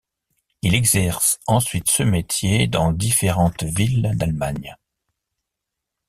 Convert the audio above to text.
Il exerce ensuite ce métier dans différentes villes d’Allemagne.